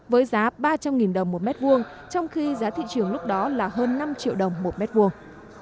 với giá ba trăm linh đồng một mét vuông trong khi giá thị trường lúc đó là hơn năm triệu đồng một mét vuông